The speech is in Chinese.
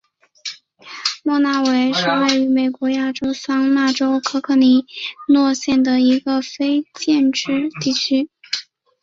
莫纳维是位于美国亚利桑那州可可尼诺县的一个非建制地区。